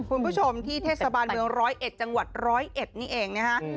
คุณผู้ชมที่เทศบาลเมืองร้อยเอ็ดจังหวัดร้อยเอ็ดนี่เองนะฮะ